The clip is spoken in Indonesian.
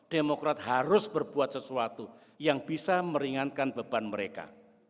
demokrat harus berbuat sesuatu yang bisa meringankan beban mereka